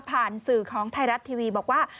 สื่อของไทยรัฐทีวีบอกว่า